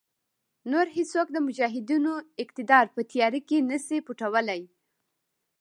نور هېڅوک د مجاهدینو اقتدار په تیاره کې نشي پټولای.